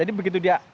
jadi begitu dia